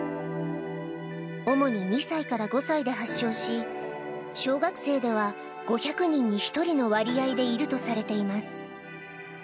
主に２歳から５歳で発症し、小学生では５００人に１人の割合でいるとされています。